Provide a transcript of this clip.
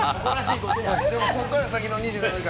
ここから先の１４時間